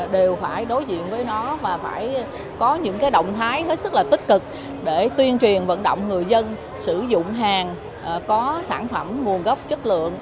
đều phải đối diện với nó và phải có những động thái hết sức là tích cực để tuyên truyền vận động người dân sử dụng hàng có sản phẩm nguồn gốc chất lượng